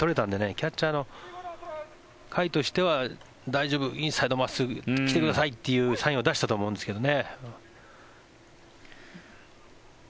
キャッチャーの甲斐としては大丈夫、インサイド真っすぐ来てくださいっていうサインを出したと思うんですけどね。